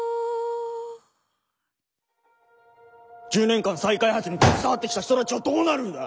１０年間再開発に携わってきた人たちはどうなるんだ！